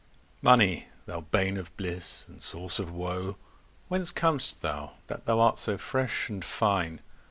Money, thou bane of blisse, & sourse of wo, Whence com'st thou, that thou art so fresh and fine?